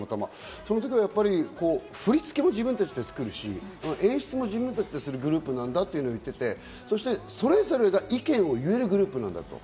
その時、振り付けも自分たちで付けるし、演出も自分たちでするグループなんだと言っていて、それぞれが意見を言えるグループなんだと。